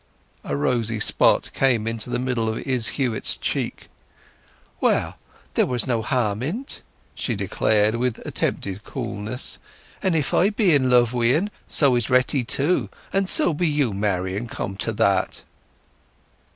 A rosy spot came into the middle of Izz Huett's cheek. "Well, there was no harm in it," she declared, with attempted coolness. "And if I be in love wi'en, so is Retty, too; and so be you, Marian, come to that."